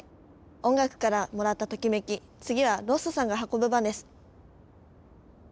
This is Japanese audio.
音楽からもらったトキメキ次はロッソさんが運ぶ番です。